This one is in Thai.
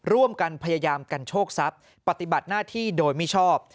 ร่วมกันพยายามกันโชคทรัพย์ปฏิบัติหน้าที่โดยมิชอบ